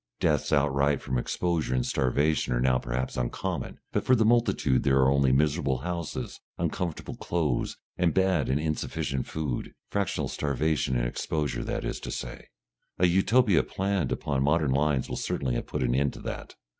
Deaths outright from exposure and starvation are now perhaps uncommon, but for the multitude there are only miserable houses, uncomfortable clothes, and bad and insufficient food; fractional starvation and exposure, that is to say. A Utopia planned upon modern lines will certainly have put an end to that.